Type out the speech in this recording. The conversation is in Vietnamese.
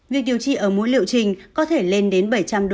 việc điều trị ở mỗi liệu trình có thể lên đến bảy trăm linh usd